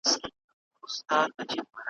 خو کله چې د هغه سر ته ورسېده